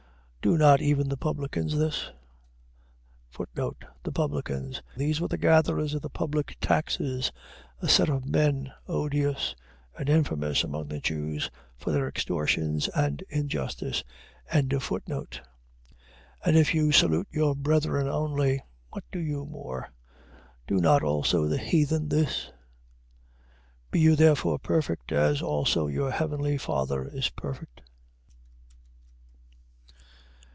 do not even the publicans this? The publicans. . .These were the gatherers of the public taxes: a set of men, odious and infamous among the Jews, for their extortions and injustice. 5:47. And if you salute your brethren only, what do you more? do not also the heathens this? 5:48. Be you therefore perfect, as also your heavenly Father is perfect.